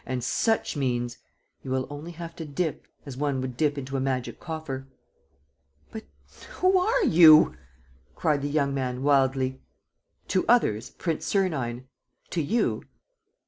. and such means! You will only have to dip, as one would dip into a magic coffer." "But who are you?" cried the young man, wildly. "To others, Prince Sernine. ... To you